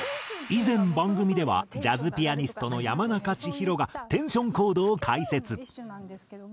以前番組ではジャズピアニストの山中千尋がテンションコードを解説。